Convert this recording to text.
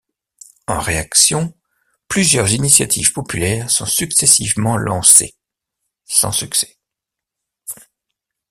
En réaction, plusieurs initiatives populaires sont successivement lancées, sans succès.